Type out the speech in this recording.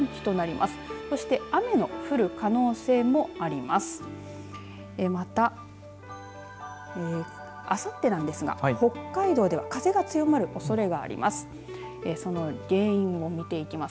またあさってなんですが、北海道では風が強まるおそれがあります。